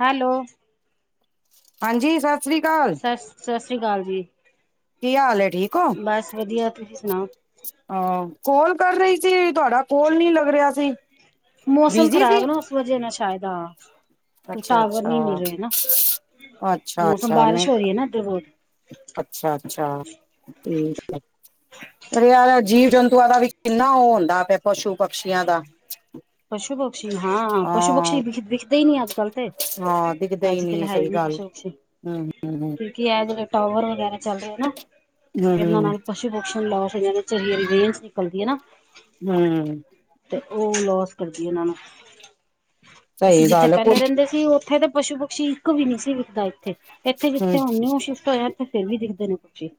Hello, ਹਾਂਜੀ, ਸਤਿ ਸ੍ਰੀ ਅਕਾਲ। ਸ ਸਤਿ ਸ਼੍ਰੀ ਅਕਾਲ ਜੀ। ਕੀ ਹਾਲ ਏ, ਠੀਕ। ਬਸ ਵਧੀਆ, ਤੁਸੀਂ ਸੁ ਆਹ ਕੋਲ ਕਰ ਰ‌ਈ ਸੀ, ਤੁਆਡਾ ਕੋਲ ਨੀ ਲੱਗ ਰਿਆ ਸੀ। ਮੌਸਮ ਬਿਜੀ ਸੀ ਖ਼ਰਾਬ ਏ ਨਾ, ਉਸ ਵਜੇ ਨਾਲ ਸ਼ਾਇਦ ਆ। ਕੁਛ ਅੱਛਾ ਟਾਵਰ ਅੱਛਾ ਨੀ ਮਿਲ ਰੇ ਨਾ। ਅੱਛਾ ਮੌਸਮ ਅੱਛਾ ਮੈਂ ਬਾਰਿਸ਼ ਹੋ ਰੀ ਏ ਨਾ ਏਧਰ ਬੋਤ। ਅੱਛਾ ਅੱਛਾ ਠੀਕ ਏ। ਓ ਯਾਰ ਐ ਜੀਵ -ਜੰਤੂਆਂ ਦਾ ਵੀ ਕਿੰਨਾ ਓ, ਹੁੰਦਾ ਪਿਆ ਪਸ਼ੂ, ਪਕਸ਼ੀਆਂ ਦਾ। ਪਸ਼ੂ -ਪਕਸ਼ੀ ਹਾਂ, ਪਸ਼ੂ- ਪਕਸ਼ੀ ਦਿਖਦੇ ਈ ਨੀ ਅੱਜ ਕੱਲ। ਤੇ ਹਾਂ ਦਿਖਦੇ ਹੀ ਅੱਜ ਕੱਲ ਨਹੀਂ ਹੈ ਵੀ ਸਹੀ ਨੀ ਗੱਲ ਪਸੂ਼-ਪਕਸ਼ੀ। [unintelligible] ਕਿਉਂਕਿ ਐ ਜੜੇ ਟਾਵਰ ਵਗੈਰਾ ਚੱਲ ਰੇ ਨਾ। ਹੂੰ ਇਹਨਾਂ ਹੂੰ। ਨਾਲ ਪਸ਼ੂ- ਪਕਸੀ਼ ਲਾਸ ਦੇ‌ ਵਿਚ ਜੇੜੀ ਰੇਨਸ ਨਿਕਲਦੀ ਏ ਨਾ। ਹੂੰਅ ਤੇ ਓ ਲੋਸ ਕਰਦੀ ਓਨਾਂ ਨੂੰ, ਸਹੀ ਅਸੀਂ ਜਿੱਥੇ ਗੱਲ ਕੁ ਪੈਲੇ ਰੈਂਦੇ ਸ ਕਿ ਓਥੇ ਤੇ ਪਸ਼ੂ -ਪਕਸ਼ੀ ਇੱਕ ਵੀ ਨੀ ਸੀ ਵਿਖਦਾ ਏਥੇ। ਏਥੇ ਹਮ ਜਿੱਥੇ ਹੁਣ ਨਿਊ ਸ਼ਿਫਟ ਹੋਏ ਏਥੇ ਫੇਰ ਵੀ ਦਿਖਦੇ ਨੇ ਪਕਛੀ।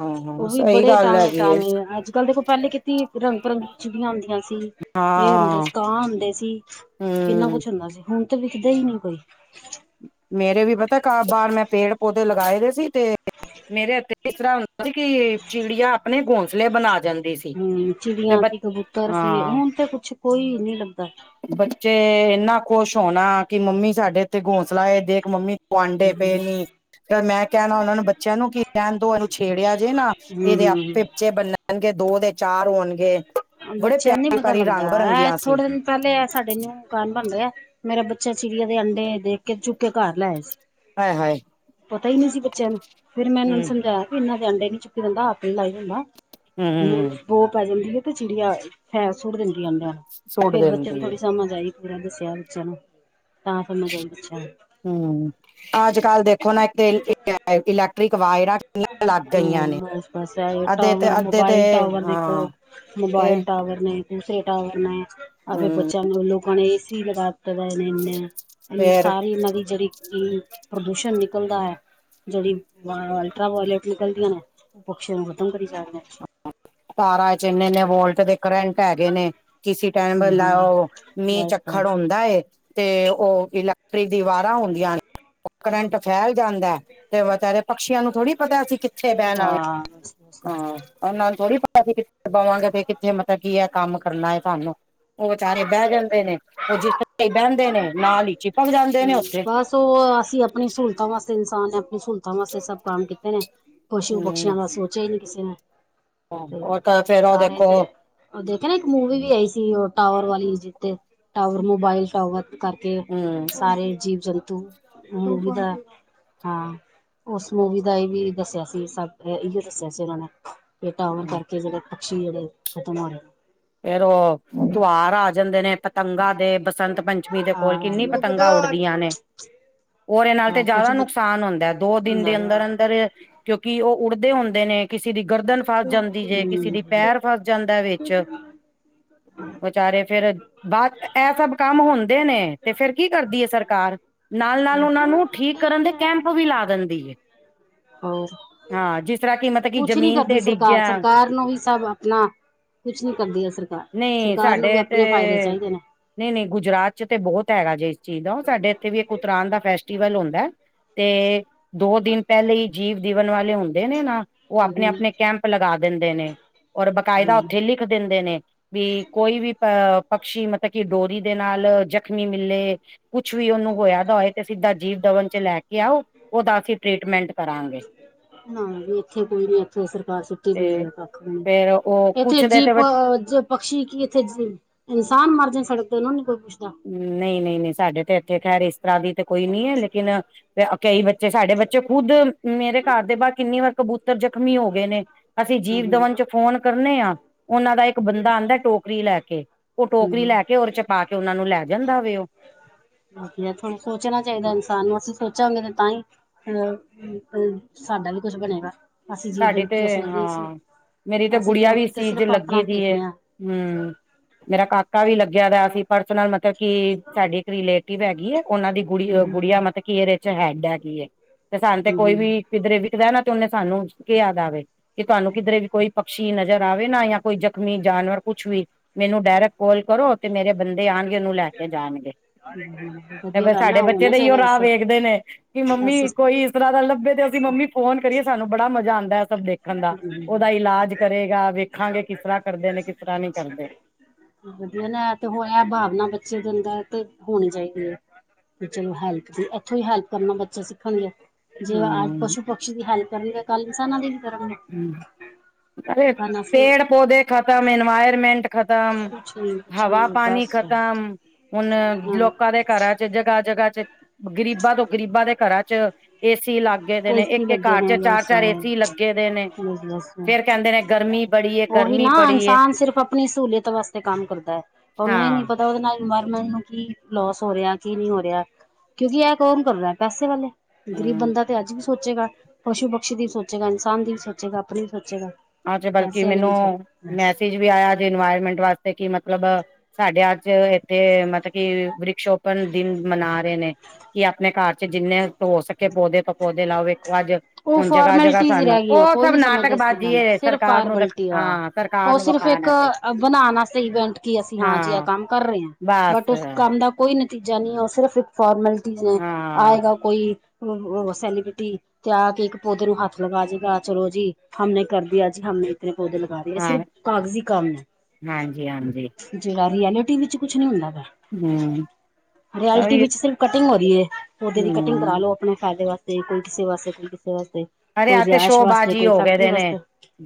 ਹਾਂ ਓ ਹਾਂ ਵੀ ਸਹੀ ਬੜੇ ਗੱਲ ਟਾਵੇਂ ਹੈਗੀ ਹੈ -ਟਾਵੇਂ ਆ। ਅੱਜ ਕੱਲ ਦੇਖੋ ਪੈਲੇ ਕਿ ਕੀ ਰੰਗ ਭਰੰਗੀ ਚਿੜੀਆਂ ਆਂਦੀਆਂ ਸੀ, ਏ ਹੁੰਦੇ ਹਾਂ ਸੀ, ਕਾਂ ਹੁੰਦੇ ਸੀ। ਕਿੰਨਾ ਹਮ ਕੁਛ ਹੁੰਦਾ ਸੀ, ਹੁਣ ਤੇ ਵਿਖਦੇ ਈ ਨੀ ਕੋਈ। ਮੇਰੇ ਵੀ ਪਤਾ ਕਾ ਬਾਰ ਮੈਂ ਪੇੜ -ਪੌਦੇ ਲਗਾਏ ਦੇ ਸੀ। ਤੇ ਮੇਰੇ ਏਥੇ ਇਸ ਤਰ੍ਹਾਂ ਹੁੰਦਾ ਸੀ ਕੀ ਚਿੜੀਆਂ ਆਪਣੇ ਘੋਂਸ ਹੂੰ ਚਿੜੀਆਂ ਸੀ, ਕਬੂਤਰ ਸੀ, ਹਾਂ ਹੁਣ ਤੇ ਕੁਛ ਕੋਈ ਨੀ ਲੱਭਦਾ। ਬੱਚੇ ਏਨਾ ਖੁਸ਼ ਹੋਣਾ ਕੀ ਮੰਮੀ ਸਾਡੇ ਤੇ ਘੋਂਸਲਾ ਏ, ਦੇਖ ਮੰਮੀ [unintelligible] ਆਂਡੇ ਪਏ ਹੂੰ-ਹੂੰ ਨੀ। ਫੇਰ ਮੈਂ ਕੈਣਾ ਓਨਾਂ ਨੂੰ ਬੱਚਿਆਂ ਨੂੰ, ਕੀ ਰੈਣ ਦੋ ਏਨੂੰ ਛੇੜਿਆ ਜੇ ਨਾ। ਏਦੇ ਆਪੇ ਬੱਚੇ ਬਨੰਣ ਬਨਣਗੇ। ਦੋ ਦੇ ਚਾਰ ਹੋਣਗੇ। ਬੜੇ ਬੱਚਿਆਂ ਨੂੰ ਨੀ ਪਿਆਰੀ ਪਤਾ ਪਿਆਰੀ ਲੱਗਦਾ। ਰੰਗ ਐ ਬਿਰੰਗੀਆਂ ਸੀ ਥੋੜੇ ਦਿਨ ਪੈਲੇ ਆ ਸਾਡੇ ਨਿਊ ਮਕਾਨ ਬਣ ਰਿਆ। ਮੇਰਾ ਬੱਚੇ ਚਿੜੀਆਂ ਦੇ ਅੰਡੇ ਦੇਖ ਕੇ, ਚੁੱਕ ਕੇ ਘਰ ਲੈਆ ਸੀ। ਆਏ ਹਾਏ। ਪਤਾ ਨੀ ਸੀ ਬੱਚਿਆਂ ਨੂੰ, ਫੇਰ ਮੈਂ ਏਨਾਂ ਨੂੰ ਹੂੰ ਸਮਝਾਇਆ ਕੀ ਏਨਾਂ ਦੇ ਆਂਡੇ ਨੀ ਚੁੱਕੀ ਦਾ ਹੁੰਦਾ, ਹੱਥ ਨੀ ਲਾਈ ਦਾ ਹੁੰਦਾ। ਹੂੰ ਬੋ ਪੈ ਜਾਂਦੀ ਐ, ਤੇ ਚਿੜੀਆ ਫੈਰ ਸੁੱਟ ਦਿੰਦੀ ਆਂਡਾ। ਸੁੱਟ ਫੇਰ ਬੱਚਿਆਂ ਨੂੰ ਦਿੰਦੀ ਹੈ ਥੋੜੀ ਸਮਝ ਆਈ। ਪੂਰਾ ਦੱਸਿਆ ਬੱਚਿਆਂ ਨੂੰ, ਤਾਂ ਸਮਝ ਆਈ ਬੱਚਿਆਂ ਨੂੰ। ਹੂੰ ਅੱਜ-ਕੱਲ੍ਹ ਦੇਖੋ ਨਾ ਏਥੇ ਇਲੈਕਟ੍ਰਿਕ ਵਾਇਰਾਂ ਕਿੰਨੀਆਂ ਲੱਗ ਗਈਆਂ ਨੂੰ ਨੇ। ਬਸ ਬਸ ਐਈ ਆ, ਅੱਧੇ ਤੇ ਟਾਵਰ, ਅੱਧੇ ਤੇ ਮੋਬਾਈਲ ਟਾਵਰ ਦੇਖੋ। ਹਾਂ ਤੇ ਮੋਬਾਇਲ ਟਾਵਰ ਨੇ, ਦੂਸਰੇ ਟਾਵਰ ਨੇ ਆਪਦੇ ਹਮ ਬੱਚਿਆਂ ਨੂੰ ਲੋਕਾਂ ਨੇ ਏਸੀ ਲਗਾ ਤਦਾ ਏਨੇ ਏਨੇ। ਫੇਰ ਸਾਰੀ ਏਨਾਂ ਦੀ ਜੜੀ ਕੀ ਪ੍ਰਦੂਸ਼ਣ ਨਿਕਲਦਾ ਐ। ਜੜੀ ਅਲਟਰਾ ਵੌਇਲਟ ਨਿਕਲਦੀਆਂ ਨੇ, ਓ ਪਕਸ਼ੀਆਂ ਨੂੰ ਖ਼ਤਮ ਕਰੀ ਜਾਰੀਆਂ। ਤਾਰਾਂ 'ਚ ਏਨੇ-ਏਨੇ ਵੋਲਟ ਦੇ ਕਰੰਟ ਹੈਗੇ ਨੇ, ਕਿਸੀ ਟੈਮ ਨੇ ਹਮ ਲਾਓ ਬਸ ਮੀਂਹ-ਚੱਖੜ ਬਸ ਹੁੰਦਾਏ - ਤੇ ਓ ਇਲੈਕਟ੍ਰਿਕ ਦੀ ਵਾਰਾਂ ਹੁੰਦੀਆਂ ਨੇ, ਓ ਕਰੰਟ ਫੈਲ ਜਾਂਦਾ। ਤੇ ਵਚਾਰੇ ਪਕਸ਼ੀਆਂ ਨੂੰ ਥੋੜੀ ਪਤਾ, ਅਸੀਂ ਕਿੱਥੇ ਬੈਣਾ ਵੇ। ਵਾਹ ਬਸ ਬਸ ਓਨਾਂ ਨੂੰ ਥੋੜ੍ਹੀ ਪਤਾ ਅੱਸੀ ਕਿੱਥੇ ਬਵਾਂ ਗੇ ਤੇ ਕਿਥੇ ਮਤਬ ਕੀ ਐ ਕੰਮ ਕਰਨਾ ਏ ਸਾਨੂੰ। ਓ ਵਚਾਰੇ ਬੈ ਜਾਂਦੇ ਨੇ, ਓ ਜਿਸ ਤਰ੍ਹਾਂ ਈ ਬੈਂਦੇ ਨੇ ਨਾਲ ਈ। ਬਸ ਓ ਅਸੀਂ ਆਪਣੀ ਸੂਲਤਾਂ ਵਾਸਤੇ ਇਨਸਾਨ ਨੇ ਆਪਣੀ ਸੂਲਤਾਂ ਵਾਸਤੇ ਸਭ ਕੰਮ ਕੀਤੇ ਨੇ। ਪਸ਼ੂ-ਪਕਸ਼ੀਆਂ ਦਾ ਸੋਚਿਆ ਈ ਨੀ ਕਿਸੇ ਨੇ। ਓ ਫੇਰ ਓ ਦੇਖੋ। ਓ ਦੇਖਿਆ ਨਾ ਇੱਕ ਮੂਵੀ ਵੀ ਆਈ ਸੀ, ਓ ਟਾਵਰ ਵਾਲੀ ਜਿੱਥੇ ਟਾਵਰ ਮੋਬਾਇਲ ਟਾਵਰ ਕਰਕੇ ਹਮ ਸਾਰੇ ਜੀਵ-ਜੰਤੂ, ਮੂਵੀ ਦਾ ਹਾਂ, ਓਸ ਮੂਵੀ ਦਾ ਏ ਵੀ ਦੱਸੇਆ ਸੀ ਸਬ ਏਈਓ ਦੱਸੇਆ ਸੀ ਓਨਾਂ ਨੇ ਏ ਟਾਵਰ ਕਰਕੇ, ਜੇੜੇ ਪਕਸ਼ੀ ਜੇੜੇ ਖਤਮ ਹੋ ਰਏ ਨੇ। ਫੇਰ ਓ, ਤੁਆਰ ਆ ਜਾਂਦੇ ਨੇ ਪਤੰਗਾਂ ਦੇ ਬਸ ਬਸੰਤ ਪੰਚਮੀ ਦੇ ਕੋਲ ਕਿੰਨੀ ਪਤੰਗਾਂ ਹਾਂ ਉੱਡਦੀਆਂ ਨੇ। ਓਦੇ ਨਾਲ ਤੇ ਹਾਂ ਕੁਛ ਜ਼ਾਦਾ ਨੁਕਸਾਨ ਹੁੰਦਾ, ਦੋ ਦਿਨ ਦੇ ਹਮ ਅੰਦਰ-ਅੰਦਰ ਕਿਓਂਕੇ ਓ ਉੱਡਦੇ ਹੁੰਦੇ ਨੇ ਕਿਸੀ ਦੀ ਗਰਦਨ ਫਸ ਜਾਂਦੀ ਜੇ ਕਿਸੀ ਦੀ ਪੈਰ ਫੱਸ ਜਾਂਦਾ ਵਿੱਚ ਵਿਚਾਰੇ ਫੇਰ ਬਾ, ਐਹ ਸਬ ਕੰਮ ਹੁੰਦੇ ਨੇ ਤੇ ਫੇਰ ਕੀ ਕਰਦੀ ਐ ਸਰਕਾਰ? ਨਾਲ-ਨਾਲ ਓਨਾਂ ਨੂੰ ਠੀਕ ਕਰਨ ਦੇ ਕੈਂਪ ਹੋਰ ਵੀ ਲਾ ਦੰਦੀ ਏ। ਹੋਰ ਹਾਂ, ਜਿਸ ਤਰਾਂ ਕੀ ਮਤਲ ਕੀ ਜ਼ਮੀਨ ਤੇ ਡੀ ਸਰਕਾਰ ਗਿਆ ਸਰਕਾਰ ਨੂੰ ਵੀ ਸਬ ਅਪਨਾ ਕੁਛ ਨੀ ਕਰਦੀ ਐ ਸਰਕਾਰ, ਸਰਕਾਰ ਨੂੰ ਵੀ ਆਪਨੇ ਫਾਇਦੇ ਚਾਈਦੇ ਨੇ। ਨਈਂ-ਨਈਂ ਗੁਜਰਾਤ ਚ ਤੇ ਬੋਤ ਹੈਗਾ ਜੇ ਇਸ ਚੀਜ਼ ਦਾ ਓ ਸਾਡੇ ਇੱਥੇ ਵੀ ਇੱਕ ਉਤਰਾਨ ਦਾ ਫੈਸਟੀਵਲ ਹੁੰਦਾ ਤੇ, ਦੋ ਦਿਨ ਪੈਲੇ ਈ ਜੀਵ ਜੀਵਨ ਵਾਲੇ ਹੁੰਦੇ ਨੇ ਨਾ, ਓ ਹਮ ਆਪਣੇ-ਆਪਣੇ ਕੈਂਪ ਲਗਾ ਦਿੰਦੇ ਨੇ ਔਰ ਬਕਾਇਦਾ ਉੱਥੇ ਲਿਖ ਦਿੰਦੇ ਨੇ ਵੀ ਕੋਈ ਵੀ ਅ ਪਕਸ਼ੀ ਮਤਲਬ ਕਿ ਡੋਰੀ ਦੇ ਨਾਲ ਜਖਮੀ ਮਿਲੇ ਕੁੱਛ ਵੀ ਓਨੂੰ ਹੋਇਆਦਾ ਹੋਏ ਤੇ ਸਿੱਦਾ ਜੀਵ ਦਵਨ ਚ ਲੈ ਕੇ ਆਓ, ਓਦਾ ਅਸੀਂ ਟਰੀਟਮੈਂਟ ਕਰਾਂਗੇ। ਨਾ ਜੀ, ਏਥੇ ਕੋਈ ਨੀ ਏਥੇ ਸਰਕਾਰ ਸੁੱਤੀ ਪਈ ਤੇ ਐ ਕੱਖ ਵੀ ਨੀ ਫੇਰ ਉਹ ਏਥੇ ਕੁਛ ਏ ਦੇ ਜੀਵ ਤੇ ਪ ਪਕਸ਼ੀ ਕੀ ਇੱਥੇ ਜ ਇਨਸਾਨ ਮਰ ਜਾਨ ਸੜਕ ਤੇ ਓਨਾਂ ਨੂੰ ਨੀ ਕੋਈ ਪੁੱਸ਼ਦਾ। ਨਈਂ-ਨਈਂ-ਨਈਂ, ਸਾਡੇ ਤੇ ਇੱਥੇ ਖੈਰ ਇਸ ਤਰਾਂ ਦੀ ਤੇ ਕੋਈ ਨੀ ਐ ਲੇਕਿਨ ਕਈ ਬੱ ਸਾਡੇ ਬੱਚੇ ਖੁੱਦ ਮੇਰੇ ਘਰ ਦੇ ਬਾਰ ਕਿੰਨੀ ਵਾਰ ਕਬੂ ਤਰ ਜ਼ਖ਼ਮੀ ਹੋ ਗਏ ਨੇ, ਅਸੀਂ ਜੀਵ-ਦਵਨ ਚ ਫੋਨ ਕਰਨੇ ਆਂ ਓਨਾਂ ਦਾ ਇੱਕ ਬੰਦਾ ਆਂਦਾ ਟੋਕਰੀ ਲੈ ਕੇ, ਓ ਟੋਕਰੀ ਲੈ ਵਧੀਆ ਕੇ ਓਦੇ ਚ ਪਾ ਕੇ ਓਨਾ ਨੂੰ ਲੈ ਜਾਂਦਾ ਵੇ ਓ, ਹਾਂ। ਸਾਨੂੰ ਅਸੀਂ ਸੋਚਾਂਗੇ ਤੇ ਤਾਂ ਈ ਅ ਸਾਡਾ ਵੀ ਕੁਸ਼ ਬਣੇਗਾ। ਅਸੀਂ ਜੀਵ ਸਾਡੀ ਤੇ ਜੰਤੂ ਸੋਚਦੇ ਸੀ ਹਾਂ ਮੇਰੀ ਤੇ ਅਸੀਂ ਗੁਡੀਆ ਵੀ ਇਸ ਲੋਕੀ ਤਾਂ ਚੀਜ ਚ ਸਿਰਫ਼ ਆਪਣਾ ਲੱਗੀ ਦੀ ਐ। ਦੇਖਦੇ ਹਾਂ। ਹੂੰ, ਮੇਰਾ ਕਾਕਾ ਵੀ ਲੱਗੇਆ ਦਾ ਅਸੀਂ ਪਰਸਨਲ ਮਤਲ ਕੀ ਸਾਡੀ ਇੱਕ ਰਿਲੇ ਟਿੱਵ ਹੈਗੀ ਐ, ਓਨਾਂ ਦੀ ਗੁਡ ਹੂੰ ਗੁਡੀਆ ਮਤਲ ਕੀ ਏਦੇ ਚ ਹੈਡ ਹੈਗੀ ਐ ਤੇ ਸਾਨੂੰ ਤੇ ਹੂੰ ਕੋਈ ਹੂੰ ਵੀ ਕਿੱਦਰੇ ਵਿਖਦਾ ਨਾ ਤੇ ਓਨੇ ਸਾਨੂੰ ਕਿਆ ਦਾ ਵੇ ਕਿ ਤੁਆਨੂੰ ਕਿਧਰੇ ਵੀ ਕੋਈ ਪਕਸ਼ੀ ਨਜ਼ਰ ਆਵੇ ਨਾ ਯਾਂ ਕੋਈ ਜ਼ਖ਼ਮੀ ਜਾਨਵਰ ਕੁਛ ਵੀ ਮੈਨੂੰ ਡਾਇਰੈਕਟ ਕਾੱਲ ਕਰੋ ਤੇ ਮੇਰੇ ਬੰਦੇ ਆਣਗੇ, ਓਨੂੰ ਲੈ ਕੇ ਜਾਣਗੇ। ਤੇ ਵਧੀਆ ਫੇਰ ਗੱਲ ਆ ਸਾਡੇ ਬੱਚੇ ਹੋਣਾ ਦਾ ਈ ਓ ਚਾਹੀਦਾ ਰਾ ਵੈਸੇ ਵੇਖਦੇ ਨੇ ਕਿ ਐਸੀ ਮੰਮੀ ਕੋਈ ਲੱਭੇ ਤੇ ਅਸੀਂ ਮੰਮੀ ਫੋਨ ਕਰੀਏ ਸਾਨੂੰ ਬੜਾ ਮਜਾ ਆਂਦਾ ਏ ਸਬ ਦੇਖ ਦੇੇਖਣ ਦਾ, ਓਦਾ ਹੂੰ, ਇਲਾਜ ਕਰੇਗਾ ਵੇਖਾਂਗੇ ਕਿਸ ਤਰਾਂ ਕਰਦੇ ਨੇ, ਕਿਸ ਤਰਾਂ ਨਈਂ ਕਰਦੇ। ਵਦੀਆ ਨਾ, ਐ ਤੇ ਹੋ ਐ ਭਾਵਨਾ ਬੱਚੇ ਦੇ ਅੰਦਰ ਤੇ ਹੋਣੀ ਚਾਈਦੀ ਐ। ਤੇ ਚਲੋ ਹੈਲਪ ਦੀ, ਇੱਥੋਂ ਈ ਹੈਲਪ ਕਰਨਾ ਬੱਚਾ ਸਿੱਖਣਗੇ। ਜਿਵੇਂ ਅੱਜ ਹਮ ਪਸ਼ੂ-ਪਕਸ਼ੀ ਦੀ ਹੈਲਪ ਕਰਨਗੇ, ਕੱਲ ਇਨਸਾਨਾਂ ਦੀ ਵੀ ਕਰਨਗੇ। ਹੂੰ, ਵਰਨਾ ਫਿਰ ਪੇੜ-ਪੌਦੇੇ ਖਤਮ, ਇਨਵਾਇਰਮੈਂਟ ਖਤਮ ਕੁਛ ਨੀ ਕੁਛ ਨੀ ਹਵਾ ਪਾਨੀ ਬਸ ਖਤਮ, ਹੁਨ ਹਾਂ। ਲੋਕਾਂ ਦੇ ਘਰਾਂ ਜਗਾ-ਜਗਾ ਚ ਗਰੀਬਾਂ ਤੋਂ ਗਰੀਬਾਂ ਦੇ ਘਰਾਂ ਚ ਏਸੀ ਲਾਗ ਗੇਦੇ ਨੇ ਇਸ ਹੀ ਇੱਕ-ਇੱਕ ਲੱਗੇ ਘਰ ਨੇ ਚ ਬਸ ਚਾਰ-ਚਾਰ ਏਸੀ ਲੱਗੇ ਦੇ ਨੇ ਬਸ ਬਸ ਫੇਰ ਕੈਂਦੇ ਨੇ ਗਰਮੀ ਬੜੀ ਐ, ਉਹੀ ਗਰਮੀ ਨਾ ਬੜੀ ਐ। ਇਨਸਾਨ ਸਿਰਫ਼ ਆਪਣੀ ਸਹੂਲੀਅਤ ਵਾਸਤੇ ਕੰਮ ਕਰਦਾ ਐ ਓਨੂੰ ਏ ਨੀ ਪਤਾ ਓਦੇ ਨਾਲ ਇਨਵਾਇਰਮੈਂਟ ਨੂੰ ਕੀ ਲੋਸ ਹੋ ਰਿਆ ਕੀ ਨਈਂ ਹੋ ਰਿਆ। ਕਿਓਂਕਿ ਏ ਕੌਮ ਕਰ ਰਾ ਪੈਸੇ ਵਾਲੇ। ਗ਼ਰੀਬ ਹੂੰ ਬੰਦਾ ਤੇ ਅੱਜ ਵੀ ਸੋਚੇਗਾ, ਪਸ਼ੂ ਪਕਸ਼ੀ ਦੀ ਵੀ ਸੋਚੇਗਾ, ਇਨਸਾਨ ਦੀ ਵੀ ਸੋਚੇਗਾ, ਆਪਨੀ ਵੀ ਸੋਚੇਗਾ। ਅੱਜ ਬਲਕਿ ਪੈਸੇ ਵਾਲੇ ਮੈਨੂੰ ਨਹੀਂ ਸੋਚਦੇ। ਮੈਸਿਜ ਵੀ ਆਇਆ ਅੱਜ ਇਨਵਾਇਰਮੈਂਟ ਵਾਸਤੇ ਕੀ ਮਤਲਬ ਸਾਡੇ ਅੱਜ ਏਥੇ ਮਤਲਬ ਕੀ ਵਿਸ਼ੋਪਨ ਦਿਨ ਮਨਾ ਰਏ ਨੇ, ਕੇ ਆਪਨੇ ਘਰ ਚ ਜਿੰਨੇ ਹੋ ਸਕੇ ਪੌਦੇ ਤੋਂ ਪੌਦੇ ਲਾਵੇ ਓ ਅੱਜ, ਉਹ ਹੁਨ ਜਗਾ-ਜਗਾ ਫੋਰਮੈਲਿਟੀਜ਼ ਹੀ ਸਾਨੂੰ ਰਹਿ ਗਈਆਂ ੲ ਕੋਈ ਸਬ ਨੀ ਨਾਟਕ ਸਮਝਦਾ ਇਸ ਬਾਜ ਜੀ ਗੱਲਾਂ ਨੂੰ ਏ ਸਿਰਫ ਸਰਕਾਰ ਨੂੰ ਫਾਰਮੈਲਿਟੀ ਆ ਸਰਕਾਰ ਉਹ ਨੂੰ ਵਖਾਨ ਵਾਸਤੇ। ਕੀ ਅਸੀਂ ਹਾਂ ਜੀ ਆਹ ਕੰਮ ਕਰ ਰਏ ਆਂ ਬਟ ਉਸ ਹਾਂ ਕੰਮ ਦਾ ਕੋਈ ਨਤੀਜਾ ਨੀ ਐ ਓ ਸਿਰਫ਼ ਇੱਕ ਫੋਰਮੈਲਿਟੀਜ਼ ਨੇ, ਹਾਂ ਆਏਗਾ ਕੋਈ ਸੈਲੀਬ੍ਰਿਟੀ ਤੇ ਆ ਕੇ ਇੱਕ ਪੌਦੇ ਨੂੰ ਹੱਥ ਲਗਾ ਜੇਗਾ ਚਲੋ ਜੀ ਹਮਨੇ ਕਰ ਦੀਆ ਜੀ ਹਮਨੇ ਇਤਨੇ ਪੌਦੇ ਲਗਾ ਏ ਹਾਂ ਸਿਰਫ ਕਾਗਜ਼ੀ ਕੰਮ ਹਾਂਜੀ ਐ। ਹਾਂਜੀ ਜੇੜਾ ਰਿਐਲਿਟੀ ਵਿੱਚ ਕੁਛ ਨੀ ਹੁੰਦਾ ਗਾ, ਹੂੰ ਰਿਐਲਿਟੀ ਉਹੀ ਵਿੱਚ ਸਿਰਫ ਕਟਿੰਗ ਹੋ ਰੀ ਏ, ਪੌਦੇ ਦੀ ਕਟਿੰਗ ਕਰਾ ਹੂੰ ਲੋ ਆਪਨੇ ਫੈਦੇ ਵਾਸਤੇ ਕੋਈ ਕਿਸੇ ਵਾਸਤੇ ਕੋਈ ਕਿਸੇ ਵਾਸਤੇ। ਅਰੇ ਕੋਈ ਐ ਤੇ ਰਿਹਾਇਸ਼ ਵਾਸਤੇ ਸ਼ੋਬਾਜ਼ੀ ਕੋਈ ਹੋ ਗਏ ਫੈਕਟਰੀ ਦੇ ਨੇ। ਵਾਸਤੇ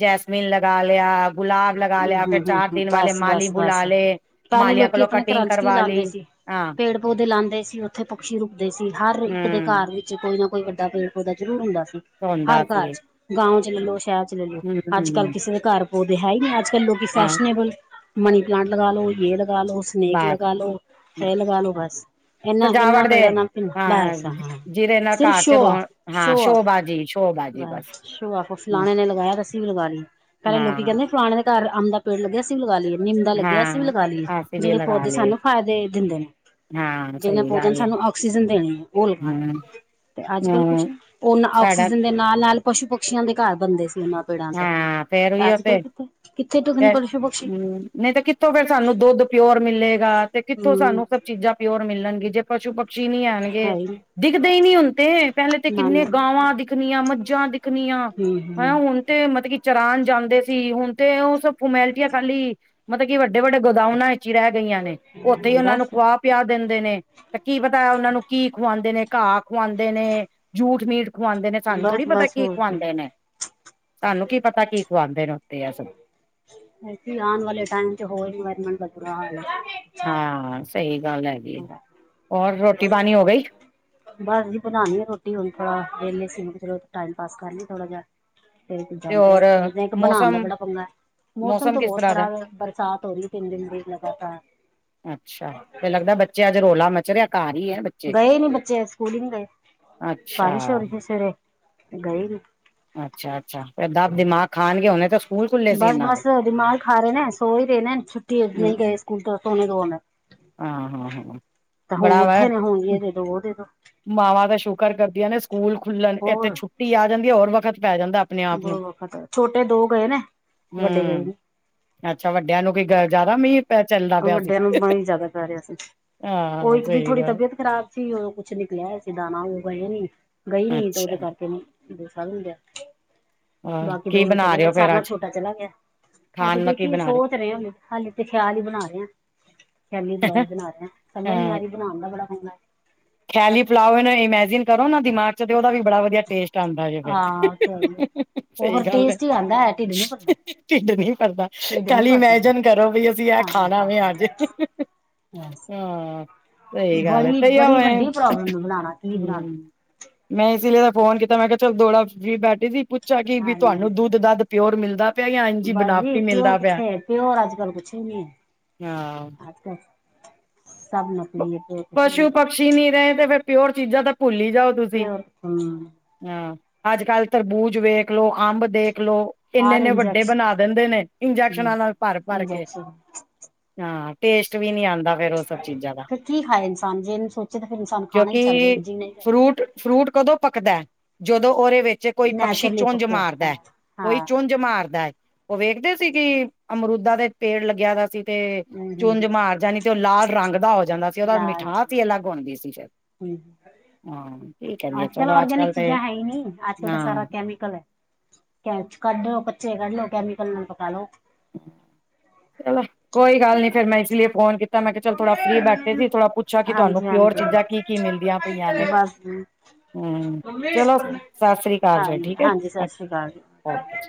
ਜੈਸਮੀਨ ਲਗਾ ਲਿਆ, ਗੁਲਾਬ ਲਗਾ ਹੂੰ ਲਿਆ, ਫਿਰ ਚਾਰ ਦਿਨ ਵਾਲੇ ਮਾਲੀ ਬੁਲਾ ਲੇ। ਪੈਲੇ ਲੋਕੀ ਆਪਨੇ ਘਰਾਂ ਚ ਕੀ ਲਾਂਦੇ ਸੀ। ਹਾਂ ਪੇੜ ਪੌਦੇ ਲਾਂਦੇ ਸੀ ਓਥੇ ਪਕਸ਼ੀ ਰੁਕਦੇ ਸੀ ਹਰ ਇੱਕ ਦੇ ਹਮ ਘਰ ਵਿੱਚ ਕੋਈ ਨਾ ਕੋਈ ਵੱਡਾ ਪੇੜ ਪੌਦਾ ਜ਼ਰੂਰ ਹੁੰਦਾ ਸੀ, ਹੁੰਦਾ ਹਰ ਘਰ ਸੀ ਚ ਗਾਓਂ ਚ ਲੈ ਲੋ ਸ਼ੈਰ ਲੈ ਲੋ, ਅੱਜ-ਕੱਲ ਹਮ ਕਿਸੇ ਦੇ ਘਰ ਪੌਦੇ ਹੈ ਈ ਨਈਂ ਅੱਜ-ਕੱਲ ਲੋਕੀ ਹਾਂ ਫੈਸ਼ਨਏਬਲ ਮਨੀ ਪਲਾਂਟ ਲਗਾਲੋ ਯੇ ਲਗਾਲੋ ਉਸ ਸਨੇਕ ਬਸ ਲਗਾ ਲੋ, ਐ ਲਗਾ ਲੋ ਬਸ, ਏਨਾ-ਏਨਾ ਸਜਾਵਟ ਦੇ ਪੇੜਾਂ ਨਾਲ ਬ ਬਸ ਜਿ- ਹਾਂ ਜਿਹਦੇ ਨਾਲ ਸਿਰਫ ਘਰ ਸ਼ੋ ਚ ਰੋ ਔਫ ਸ਼ੋ ਹਾਂ ਔਫ ਸ਼ੋਬਾਜੀ ਸ਼ੋਬਾਜੀ ਬਸ ਸ਼ੋ ਔਫ ਹੂੰ, ਫਲਾਣੇ ਨੇ ਲਗਾਇਆ ਤਾਂ ਅਸੀਂ ਵੀ ਲਗਾ ਲੀਏ। ਸਾਰੇ ਲੋਕੀ ਹਾਂ ਕੈਂਦੇ ਫਲਾਨੇ ਦੇ ਘਰ ਅੰਮ ਦਾ ਪੇੜ ਲੱਗਿਆ ਅਸੀਂ ਵੀ ਲਗਾ ਲੀਏ ਨਿੰਮ ਦਾ ਲੱਗਿਆ ਅਸੀ ਵੀ ਹਾਂ ਲਗਾ ਲੀਏ, ਅਸੀਂ ਵੀ ਜੇੜੇ ਲਗਾ ਪੌਦੇ ਲਏ ਸਾਨੂੰ ਫੈਦੇ ਦਿੰਦੇ ਨੇ। ਹਾਂ ਜਿਨੇ ਸਹੀ ਪੌਦੇ ਨੇ ਗੱਲ ਹੈ ਸਾਨੂੰ ਆਕਸੀਜਨ ਦੇਨੇ ਐ ਓ ਲਗਾਨ। ਹਮ ਤੇ ਅੱਜ-ਕੱਲ ਕੁਛ ਹਮ ਓ ਸਾਡਾ ਆਕਸੀਜਨ ਦੇ ਨਾਲ-ਨਾਲ ਪਸ਼ੂ ਪਕਸ਼ੀਆਂ ਦੇ ਘਰ ਬਨਦੇ ਸੀ ਓਨਾਂ ਹੂੰ, ਫੇਰ ਵੀ ਓ ਤੇ ਕਿੱਥੇ ਟਿਕਣ ਫੇਰ ਪਸ਼ੂ ਪਕਸ਼ੀ ਹੂੰ ਨਈਂ ਤਾਂ ਕਿ ਕਿੱਥੋਂ ਫਿਰ ਸਾਨੂੰ ਦੁੱਧ ਪਿਓਰ ਮਿਲੇਗਾ ਤੇ ਕਿੱਥੋਂ ਹੂੰ ਸਾਨੂੰ ਸਭ ਚੀਜ਼ਾਂ ਪਿਓਰ ਮਿਲਨਗੀ ਜੇ ਪਸ਼ੂ-ਪਕਸ਼ੀ ਨੀ ਆਨਗੇ। ਹੈ ਹੀ ਨੀ। ਦਿਖਦੇ ਈ ਨਈ ਹੁਨ ਤੇ ਪੈਲੇ ਤੇ ਨਾ ਕਿੰਨੇ ਨਾ ਗਾਵਾਂ ਦਿਖਨੀਆਂ, ਮੱਝਾਂ ਦਿਖਨੀਆਂ। ਕੀ ਹੂੰ ਤੇ ਮਤਲਬ ਕੀ ਚਰਾਨ ਜਾਂਦੇ ਸੀ ਹੁਨ ਤੇ ਓ ਸਬ ਫਮੈਲਿਟੀਆਂ ਖਾਲੀ। ਮਤਲਬ ਕੀ ਵੱਡੇ-ਵੱਡੇ ਗੋਦਾਵਨਾਂ ਵਿੱਚ ਈ ਰੈ ਗਈਆਂ ਨੇ, ਓਥੇ ਈ ਓਨਾਂ ਨੂੰ ਬਸ ਖੁਆ ਪਿਆ ਦਿੰਦੇ ਨੇ, ਤੇ ਕੀ ਪਤਾ ਓਨਾਂ ਨੂੰ ਕੀ ਖਵਾਂਦੇ ਨੇ ਘਾਅ ਖਵਾਂਦੇ ਨੇ ਜੂਠ ਮੀਠ ਖਵਾਂਦੇ ਨੇ, ਸਾਨੂੰ ਥੋੜੀ ਬਸ ਪਤਾ ਬਸ ਕੀ ਹੋਰ ਖਵਾਂਦੇ ਨੇ। ਸਾਨੂੰ ਕੀ ਪਤਾ ਕੀ ਖਵਾਂਦੇ ਨੇ ਓਥੇ ਐ ਸਬ। ਆਨ ਵਾਲੇ ਟੈਮ ਚ ਹੋਰ ਇਨਵਾਰਮੈਂਟ ਦਾ ਬੁਰਾ ਹਾਲ ਏ। ਹਾਂ, ਸਈ ਗੱਲ ਐ। [inaudible] ਬਸ ਜੀ ਬਨਾਨੀ ਆ ਰੋਟੀ ਹੁਨ ਥੋੜਾ ਜਾ ਵੇਲੇ ਸੀ ਮਖਾਂ ਚਲੋ ਟਾਈਮ ਪਾਸ ਕਰ ਲੀਏ ਥੋੜਾ ਜਾ। ਫ਼ਿਰ ਇਕ ਤੇ ਜਾਂਦੇ ਹੋਰ ਹੋਏ ਤੇ ਇੱਕ ਬਨਾਨ ਦਾ ਮੌਸਮ ਬੜਾ ਪੰਗਾ। ਮੌਸਮ ਤੋ ਕਿਸ ਬੋਤ ਤਰ੍ਹਾਂ ਦਾ ਖ਼ਰਾਬ ਐ ਬਰਸਾਤ ਹੋ ਰਈ ਤਿੰਨ ਦਿਨ ਦੀ ਲਗਾਤਾਰ। ਅੱਛਾ ਤੇ ਲੱਗਦਾ ਬੱਚੇ ਅੱਜ ਰੋਲਾਂ ਮਚਰੇਆ ਘਰ ਈ ਐਂ। ਗਏ ਨੀ ਬੱਚੇ ਸਕੂਲ ਈ ਨੀ ਗਏ, ਅੱਛਾ ਬਾਰਿਸ਼ ਹੋ ਰਈ ਸੀ ਸਵੇਰੇ ਗਏ ਨੀ। ਅੱਛਾ-ਅੱਛਾ ਏਦਾਂ ਦਿਮਾਗ਼ ਖਾਨਗੇ ਹੁਨੇ ਤਾਂ ਸਕੂਲ ਖੁੱਲੇ ਸੀ ਬਸ- ਇਹਨਾਂ ਦੇ ਬਸ ਦਿਮਾਗ ਖਾ ਰਹੇਂ ਨੇ ਸੋ ਰਹੇਂ ਨੇ ਛੁੱਟੀ ਹੈਗੀ ਐਂ ਹੂੰ, ਨਈ ਗਏ ਸਕੂਲ ਤਾਂ ਸੋਣੇ ਦੋ ਹਮੇਂ। ਹਾਂ- ਹਾਂ, ਹਾਂ ਬੜਾਂ ਵੈ। ਉੱਠੇ ਨੇ ਹੁਣ ਇਹ ਦੇ ਦੋ ਉਹ ਦੇ ਦੋ ਮਾਵਾਂ ਤੇ ਸ਼ੁਕਰ ਕਰਦੀਆਂ ਨੇ ਸਕੂਲ ਖੁੱਲਣ ਇੱਥੇ ਹੋਰ ਛੁੱਟੀ ਆਂ ਜਾਂਦੀ ਹੈ ਹੋਰ ਵਕਤ ਪੈ ਜਾਂਦਾ। ਆਪਣੇ ਆਪ ਨੂੰ ਬੋਤ ਵਕਤ ਏ ਛੋਟੇ ਦੋ ਗਏ ਨੇ, ਵੱਡੇ ਗਏ ਹਮ ਨੀਂ। ਅੱਛਾ ਵੱਡਿਆਂ ਨੂੰ ਕੋਈ ਜਾ਼ਦਾ ਮੀਂਹ ਚੱਲਦਾ ਪਿਆਂ ਸੀ। ਵੱਡਿਆਂ ਨੂੰ ਬੜਾ ਹੀ ਜ਼ਿਆਦਾ ਰਿਹਾ ਸੀ ਉਹ ਹਾਂ ਇੱਕ ਦੀ ਸਹੀ ਥੋੜੀ ਗੱਲ ਤਬੀਅਤ ਖ਼ਰਾਬ, ਸੀ ਉਦੋਂ ਕੁੱਛ ਨਿਕਲ਼ਿਆ ਸੀ ਦਾਣਾ ਉਹ ਗਏ ਨੀ ਗਈਂ ਨੀ ਤੇ ਅੱਛਾ ਉਹਦੇ ਕਰਕੇ, ਦੂਸਰਾ ਵੀ ਨੀ ਗਿਆ। ਹੋਰ ਬਾਕੀ ਕੀ ਦੋਨੋਂ ਬਣਾ ਚਲੇ ਰਹੇ ਗਏ, ਹੋ ਫੇਰ ਸਾਰਿਆਂ ਅੱਜ ਛੋਟਾ ਚਲਾ ਗਿਆਂ, ਅੱਜ ਖਾਣ ਨੂੰ ਕੀ ਦੇਖੀਏ ਬਣਾ ਸੋਚ ਰਹੇਂ ਹਾਲੇ। ਹਾਲੇ ਤੇ ਖ਼ਿਆਲ ਹੀ ਬਣਾ ਰਹੇਂ ਹਾਂ ਖ਼ਿਆਲੀ ਰਹੇ ਪਲਾਓ ਬਣਾਂ ਰਹੇਂ ਆ ਸਮਝ ਨੀ ਆ ਰਹੀਂ ਬਣਾਨ ਦਾ ਬੜਾਂ ਪੰਗਾਂ ਐ। ਖ਼ਿਆਲੀ ਪਲਾਓ ਹੋਏ ਨਾ ਇਹ ਮੈਜ਼ਨ, ਕਰੋ ਨਾ ਦਿਮਾਗ਼ ਚ ਤੇ ਉਹਦਾ ਵੀ ਬੜਾਂ ਵਧੀਆਂ ਟੇਸਟ ਆਂਦਾ ਹੈ ਜੇ ਫੇਰ, ਹਾਂ ਸਹੀ ਗੱਲ ਐ। ਐ ਢਿੱਡ ਨੀ ਭਰਨਾਂ। ਢਿੱਡ ਨੀ ਭਰਦਾ ਖਾਲੀ ਮੈਜਨ ਕਰੋ ਬਈ ਅਸੀਂ ਆਹ ਹਾਂ ਖਾਣਾਂ ਹਾਂ ਵੇ ਅੱਜ਼। ਹਾਂ ਹਾਂ ਸਹੀ ਗੱਲ ਐ, ਬੜੀ ਤਹੀ ਆਂ ਬੜੀ ਮੈਂ ਵੱਡੀ ਪ੍ਰੋਬਲਮ ਬਣਾਉਣਾ ਕੀ ਬਣਾਉਣਾ ਹੂੰ। ਮੈਂ ਇਸ ਲਈ ਤਾਂ ਫੋਨ ਕੀਤਾਂ ਮੈਂ ਕਿਹਾਂ ਚਲ ਥੋੜਾ ਫ੍ਰੀ ਬੈਠੀਂ ਸੀ ਪੁੱਛਾ ਕੀ ਵੀ ਹਾਂਜੀ ਤੁਹਾਨੂੰ ਹਾਂਜੀ ਦੁੱਧ- ਦੱਧ। ਪਿਓਂਰ ਮਿਲ਼ਦਾ। ਬਸ ਜੀ ਪਿਓਰ ਕਿੱਥੇ ਪਿਓਰ ਅੱਜ ਕੱਲ ਕੁੱਛ ਵੀ ਨੀ ਹਾਂ ਐ। ਸ ਸਭ ਨਕਲੀ ਏ। ਪਸ਼ੂ ਪਕਸ਼ੀ ਨਈ ਰਹੇ ਤੇ ਫੇਰ ਪਿਓਰ ਚੀਜ਼ਾਂ ਤਾਂ ਭੁੱਲ ਹੀ ਜਾਓ ਤੁਸੀਂ। ਹਾਂ ਅੱਜ ਕੱਲ ਤਰਬੂਜ਼ ਵੇਖ ਲੋ, ਅੰਬ ਦੇਖ਼ ਲੋ। ਇੰਨੇ- ਇੰਨੇ ਵੱਡੇ ਬਣਾਂ ਦਿੰਦੇਂ ਨੇ ਇੰਜੈਕਸ਼ਨਾਂ ਨਾਲ ਭਰ- ਭਰ ਕੇ। ਇੰਜੈਕਸ਼ਨ ਹਾਂ ਟੇਸਟ ਵੀ ਨੀ ਆਂਦਾ ਫ਼ੇਰ ਉ ਸਭ ਚੀਜ਼ਾਂ ਦਾ। ਫਿਰ ਕੀ ਖਾਏ ਇਨਸਾਨ ਜੇਨੂੰ ਸੋਚੇਂ ਤਾਂ ਫੇਰ ਇਨਸਾਨ ਖਾਣਾਂ ਈ ਛੱਡਦੇ ਕਿਉਂਕਿ ਜੀਣਾਂ ਹੀ ਛਡ- ਫਰੂਟ ਫਰੂਟ ਕਦੋਂ ਪੱਕਦਾ ਐ, ਜਦੋਂ ਉਹਦੇ ਵਿੱਚ- ਕੋਈ ਪਕਸ਼ੀ ਨੈਚੁਰਲੀ ਚੁੰਝ ਪੱਕਿਆ ਮਾਰਦਾ ਹਾਂ ਐ ਕੋਈ ਹਾਂ ਚੁੰਝ ਮਾਰਦਾ ਹੈ। ਉ ਵੇਖਦੇਂ ਸੀ ਕਿ ਅਮਰੂਦਾ ਦੇ ਪੇੜ ਲੱਗਿਆਂ ਦਾਂ ਸੀ। ਤੇ ਹੂੰ ਹੂੰ ਚੁੰਜ ਮਾਰ ਜਾਣੀਂ ਤੇ ਉਹ ਲਾਲ ਰੰਗ ਦਾ ਹੋ ਜਾਂਦਾ ਸੀ ਹੂੰ ਉਹਦਾ ਲਾਲ ਮਿਠਾਸ ਹੀ ਅਲੱਗ ਹੁੰਦੀਂ ਸੀ ਫੇਰ। ਹੂੰ। ਹਾਂ ਠੀਕ। ਅੱਜ ਕੱਲ ਔਰਗੈਨਿਕ ਚੀਜ਼ਾਂ ਹੈ ਹੀ ਨੀ ਅੱਜ ਕੱਲ ਤਾਂ ਸਾਰਾਂ ਹਾਂ ਕੈਮੀਕਲ ਐ। ਕੈਚ ਕੱਢੋ ਕੱਚੇ ਕੱਢ ਲੋ ਕੈਮੀਕਲ ਨਾਲ ਪਕਾਂ ਲੋ। ਚਲੋਂ। ਕੋਈ ਗੱਲ ਨੀ ਫੇਰ ਮੈਂ ਇਸ ਲਈ ਫ਼ੋਨ ਕੀਤਾਂ ਮੈਂ ਕਿਹਾਂ ਚੱਲ ਥੋੜਾਂ ਫ੍ਰੀ ਬੈਠੇਂ ਸੀ ਥੋੜਾਂ ਪੁੱਛਾ ਕੀ ਤੁਹਾਂਨੂੰ। ਹਾਂਜੀ ਪਿਓਰ ਹਾਂਜੀ ਚੀਜ਼ਾਂ ਕੀ- ਕੀ ਮਿਲਦੀਆਂ ਪਈਆਂ ਨੇਂ। ਬਸ ਜੀ, ਹੂੰ ਚਲੋ ਸਤਿ ਸ੍ਰੀ ਅਕਾਲ ਹਾਂਜੀ ਠੀਕ ਹਾਂਜੀ ਸਤਿ ਹੈ ਸ਼੍ਰੀ ਅਕਾਲ ਓਕੇ ਜੀ